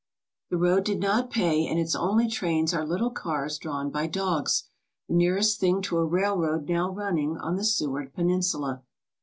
The road did not pay and its only trains are little cars drawn by dogs, the nearest thing to a railroad now running on the Seward Peninsula.